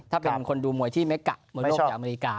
ถ้าเป็นคนดูมวยที่ไม่กะไม่ชอบอเมริกา